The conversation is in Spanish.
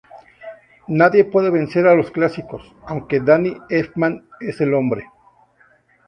Nadie puede vencer a los clásicos, aunque Danny Elfman es el hombre!